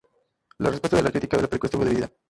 La respuesta de la crítica a la película estuvo dividida.